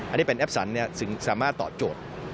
อันนี้เป็นแอปสันสามารถตอบโจทย์